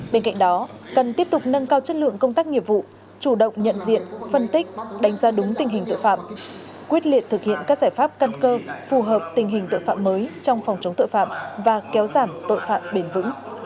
bên cạnh đó cần tiếp tục nâng cao chất lượng công tác nghiệp vụ chủ động nhận diện phân tích đánh giá đúng tình hình tội phạm quyết liệt thực hiện các giải pháp căn cơ phù hợp tình hình tội phạm mới trong phòng chống tội phạm và kéo giảm tội phạm bền vững